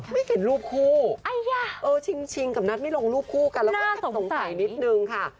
ไม่เห็นรูปคู่ชิงกับนัทไม่ลงรูปคู่กันแล้วก็สงสัยนิดนึงค่ะ